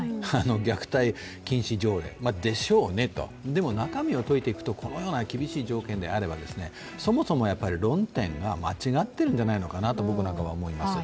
虐待禁止条例、でしょうねと、でも、中身を解いていくと、このような厳しい条件であれば、そもそも論点が間違っているんじゃないかと思います。